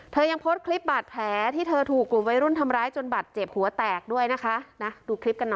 เธอยังโพสต์คลิปบัตรแพ้ที่เธอถูกหลุมไว้รุ่นทำร้ายจนบัตรเจ็บหัวแตกด้วยนะคะ